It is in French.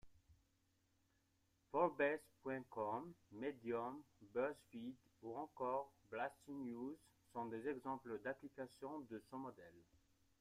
Forbes.com, Medium, BuzzFeed, ou encore Blasting News, sont des exemples d’application de ce modèle.